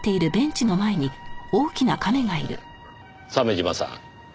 鮫島さん。